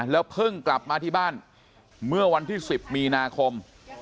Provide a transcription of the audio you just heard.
แล้วเพิ่งกลับมาที่บ้านเมื่อวันที่๑๐มีนาคม